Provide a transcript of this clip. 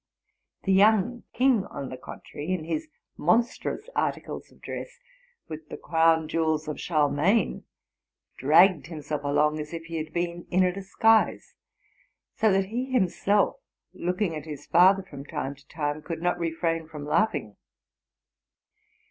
The young king, on the contrary, in his monstrous articles of dress, with the crown jewels of Charlemagne, dragged himself along as if he had been in a disgmse; so that he himself, looking at his father from time to time, could not ' 168 TRUTH AND FICTION refrain from laughing.